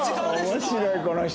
面白いこの人。